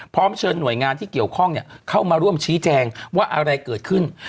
เชิญหน่วยงานที่เกี่ยวข้องเข้ามาร่วมชี้แจงว่าอะไรเกิดขึ้น